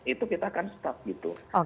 itu kita akan stop gitu